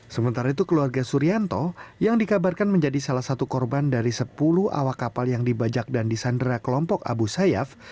sementara itu keluarga suryanto yang dikabarkan menjadi salah satu korban dari sepuluh awak kapal yang dibajak dan disandera kelompok abu sayyaf